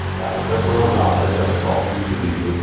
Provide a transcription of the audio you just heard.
Le altre sono usate per scopi civili.